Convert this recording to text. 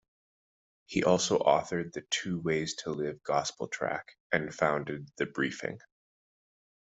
He also authored the "Two Ways To Live" gospel tract and founded "The Briefing".